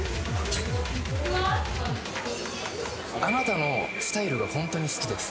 「あなたのスタイルが本当に好きです」